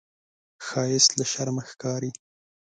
ښایست له شرمه ښکاري